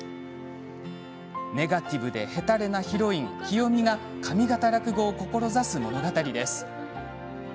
ネガティブでへたれなヒロイン喜代美が上方落語を志す物語です。